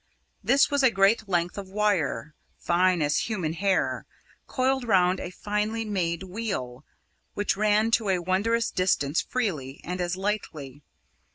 This was a great length of wire, "fine as human hair," coiled round a finely made wheel, which ran to a wondrous distance freely, and as lightly.